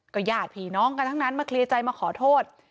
ญาติผีน้องกันทั้งนั้นมาเคลียร์ใจมาขอโทษ